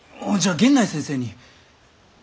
源内先生に！